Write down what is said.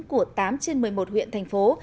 của tám trên một mươi một huyện thành phố